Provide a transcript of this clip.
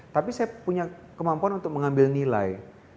tapi saya punya kemampuan untuk mengambil nilai